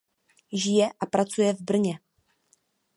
Žije a pracuje v Brně.